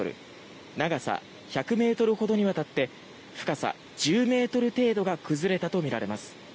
長さ１００ｍほどにわたって深さ１０ｍ程度が崩れたとみられます。